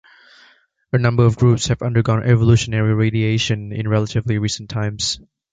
A number of groups have undergone evolutionary radiation in relatively recent times.